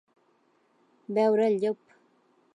Veure el llop.